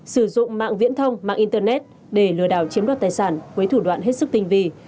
sử dụng mạng viễn thông mạng internet để lừa đảo chiếm đoạt tài sản với thủ đoạn hết sức tinh vi